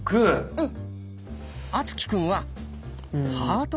うん。